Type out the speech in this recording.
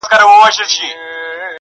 • بېلوبېلو بادارانوته رسیږي -